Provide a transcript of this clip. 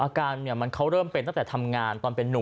อาการเขาเริ่มเป็นตั้งแต่ทำงานตอนเป็นนุ่ม